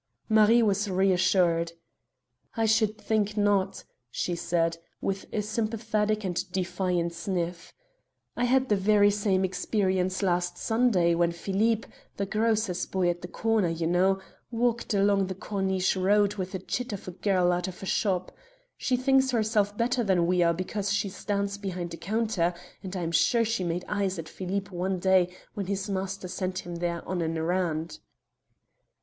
Marie was reassured. "I should think not," she said, with a sympathetic and defiant sniff. "I had the very same experience last Sunday, when Phillippe the grocer's boy at the corner, you know walked along the Corniche Road with a chit of a girl out of a shop. She thinks herself better than we are because she stands behind a counter, and I am sure she made eyes at Phillippe one day when his master sent him there on an errand."